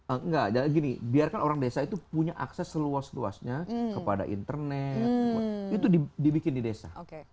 enggak jadi gini biarkan orang desa itu punya akses seluas luasnya kepada internet itu dibikin di desa